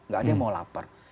gak ada yang mau lapar